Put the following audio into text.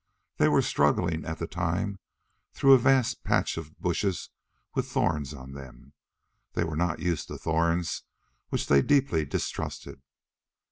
They were struggling, at the time, through a vast patch of bushes with thorns on them they were not used to thorns which they deeply distrusted.